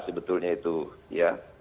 sebetulnya itu ya